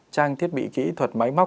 trang thiết bị kỹ thuật máy móc